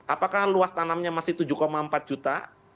apakah luas tanamnya masih tujuh empat juta